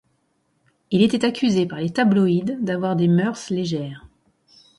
Il était accusé par les tabloïds d'avoir des mœurs légères.